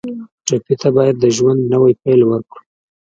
ټپي ته باید د ژوند نوی پیل ورکړو.